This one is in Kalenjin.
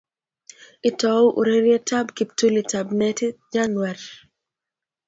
itou ureryetab kiptulitab netit januar